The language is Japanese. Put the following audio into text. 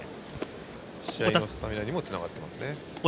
試合のスタミナにもつながっています。